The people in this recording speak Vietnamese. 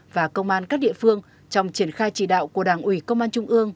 và công an các địa phương trong triển khai chỉ đạo của đảng ủy công an trung ương